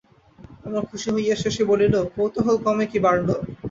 এখন খুশি হইয়া শশী বলিল, কৌতূহল কমে কি বাড়ল?